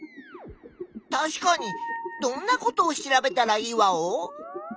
確かにどんなことを調べたらいいワオ？